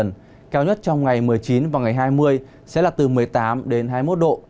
nhiệt độ cao nhất trong ngày một mươi chín và ngày hai mươi sẽ là từ một mươi tám đến hai mươi một độ